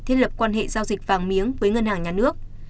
thiết lập quan hệ giao dịch vàng miếng với ngân hàng nhà nước